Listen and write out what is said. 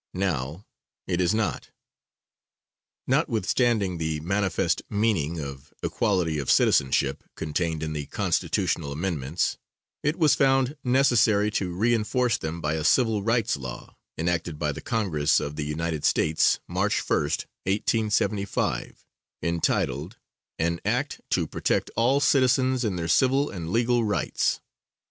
Now it is not." Notwithstanding the manifest meaning of equality of citizenship contained in the constitutional amendments, it was found necessary to reinforce them by a civil rights law, enacted by the Congress of the United States, March 1st, 1875, entitled, "An Act To Protect All Citizens In Their Civil and Legal Rights."